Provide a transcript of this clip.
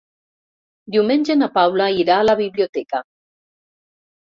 Diumenge na Paula irà a la biblioteca.